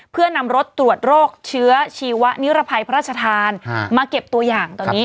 เพื่อนำรถตรวจโรคเชื้อชีวะนิรภัยพระราชทานมาเก็บตัวอย่างตอนนี้